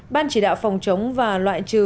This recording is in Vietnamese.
ban chỉ đạo phòng chống và loại trừ